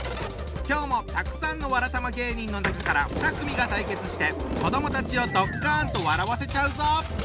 今日もたくさんのわらたま芸人の中から２組が対決して子どもたちをドッカンと笑わせちゃうぞ！